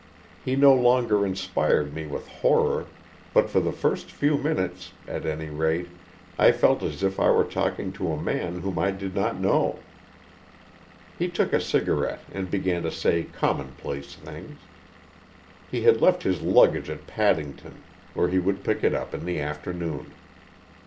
He no longer inspired me with horror, but for the first few minutes, at any rate, I felt as if I were talking to a man whom I did not know. He took a cigarette and began to say commonplace things. He had left his luggage at Paddington, where he would pick it up in the afternoon.